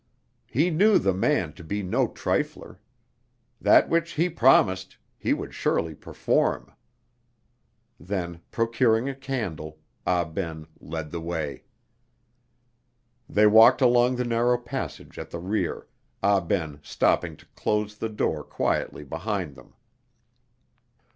He knew the man to be no trifler. That which he promised, he would surely perform. Then, procuring a candle, Ah Ben led the way. They walked along the narrow passage at the rear, Ah Ben stopping to close the door quietly behind them.